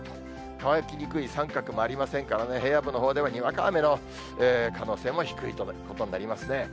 乾きにくい三角もありませんからね、平野部のほうでは、にわか雨の可能性も低いことになりますね。